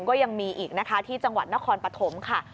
ก็ยังมีอีกนะคะที่จังหวัดนครปฐมค่ะ